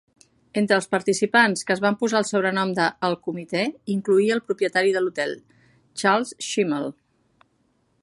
Entre els participants, que es van posar el sobrenom de "el comitè", incloïa el propietari de l'hotel, Charles Schimmel.